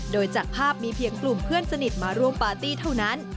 โดยจากภาพมีเพียงกลุ่มเพื่อนสนิทมาร่วมปาร์ตี้เท่านั้น